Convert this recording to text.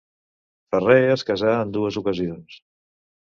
Ferrer es casà en dues ocasions.